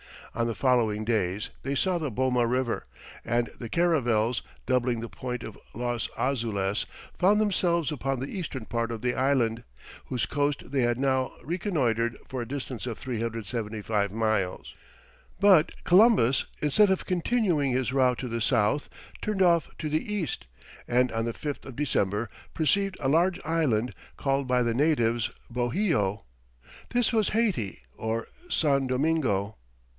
On the following days, they saw the Boma River, and the caravels, doubling the point of Los Azules, found themselves upon the eastern part of the island, whose coast they had now reconnoitred for a distance of 375 miles. But Columbus instead of continuing his route to the south turned off to the east, and on the 5th of December perceived a large island, called by the natives Bohio. This was Hayti, or San Domingo.